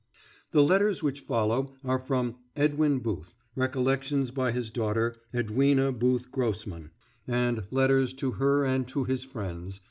The letters which follow are from "Edwin Booth: Recollections by his daughter, Edwina Booth Grossman, and Letters to Her and to His Friends."